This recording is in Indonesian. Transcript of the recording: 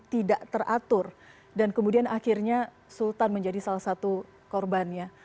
tidak teratur dan kemudian akhirnya sultan menjadi salah satu korbannya